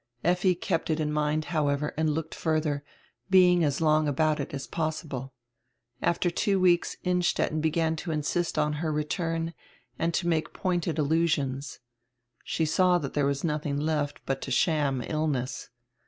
Effi kept it in mind, however, and looked furdier, being as long about it as possible. After two weeks Innstetten began to insist on her return and to make pointed allusions. She saw diere was nothing left but to sham illness.